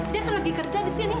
dia akan lagi kerja di sini